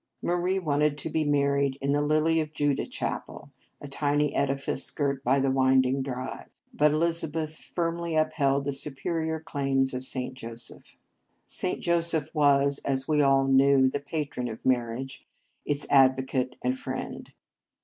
Marie wanted to be married in the " Lily of Judah " chapel, a tiny edifice girt by the winding drive; but Elizabeth firmly upheld the superior claims of St. Joseph. St. Joseph was, as we well knew, the patron of marriage, its advocate and friend.